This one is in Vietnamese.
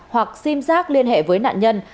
hoặc sim giác liên hệ với nạn nhân